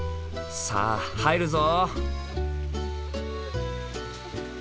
さあ入るぞ！